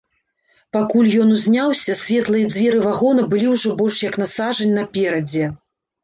Пакуль ён узняўся, светлыя дзверы вагона былі ўжо больш як на сажань наперадзе.